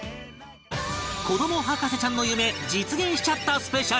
子ども博士ちゃんの夢実現しちゃったスペシャル